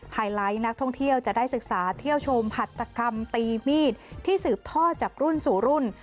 ไฮไลท์นักท่องเที่ยวจะได้ศึกษาเที่ยวชมหัตกรรมตีมีดที่สืบทอดจากรุ่นสู่รุ่น